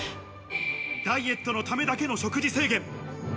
ダイエットのためだけの食事制限。